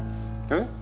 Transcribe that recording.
えっ？